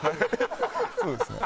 そうですね。